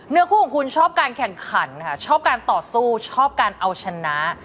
เนื้อคู่ของคุณชอบการแข่งขันค่ะชอบการต่อสู้ชอบการเอาชนะ